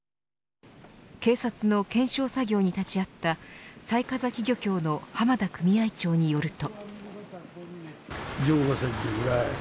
警察の検証作業に立ち会った雑賀崎漁協の濱田組合長によると。